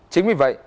chính vì vậy